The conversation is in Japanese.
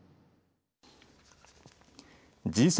Ｇ７